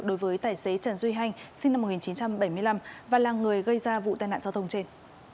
đối với tài xế trần duy hanh sinh năm một nghìn chín trăm bảy mươi năm và là người gây ra vụ tai nạn giao thông trên